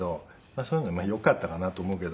そういうのもよかったかなと思うけど。